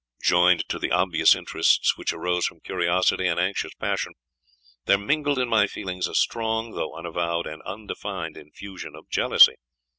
Joined to the obvious interests which arose from curiosity and anxious passion, there mingled in my feelings a strong, though unavowed and undefined, infusion of jealousy.